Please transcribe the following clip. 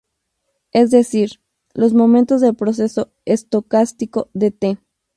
Es decir, los momentos del proceso estocástico de "t".